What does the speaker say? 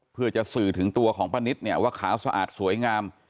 เพื่อจะสื่อถึงตัวของป้านิตเนี่ยว่าขาวสะอาดสวยงาม